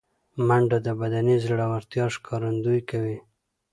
منډه د بدني زړورتیا ښکارندویي کوي